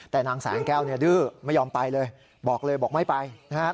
แต่นางแสงแก้วดื้อไม่ยอมไปเลยบอกเลยบอกไม่ไป